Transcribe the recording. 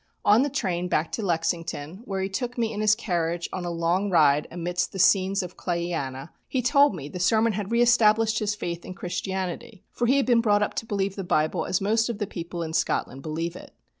On the train back to Lexington, where he took me in his carriage on a long ride amid the scenes of Clayiana, he told me the sermon had re established his faith in Christianity, for he had been brought up to believe the Bible as most of the people in Scotland believe it.